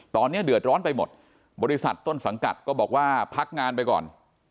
ตอนนี้เดือดร้อนไปหมดบริษัทต้นสังกัดก็บอกว่าพักงานไปก่อน